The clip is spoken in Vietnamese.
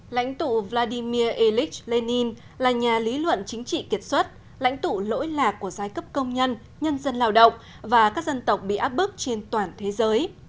lãnh tụ vladimir ilyich lenin là nhà lý luận chính trị kiệt xuất lãnh tụ lỗi lạc của giai cấp công nhân nhân dân lao động và các dân tộc bị áp bức trên toàn thế giới